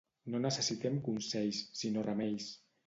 No necessitem consells, sinó remeis.